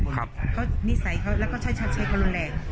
เขามีเพื่อนก็ใช้กรนแรง